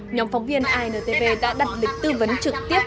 nhóm phóng viên intv đã đặt lịch tư vấn trực tiếp